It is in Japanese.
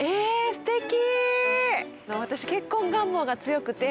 すてき！